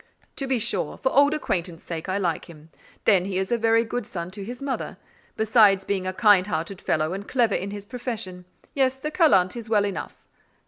"To be sure: for old acquaintance sake I like him: then he is a very good son to his mother; besides being a kind hearted fellow and clever in his profession: yes, the callant is well enough."